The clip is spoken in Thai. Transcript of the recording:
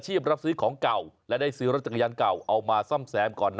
เจ้าของบ้านนี่บอกเลยว่าโดนล้อ